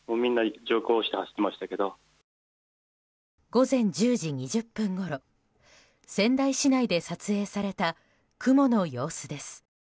午前１０時２０分ごろ仙台市内で撮影された雲の様子です。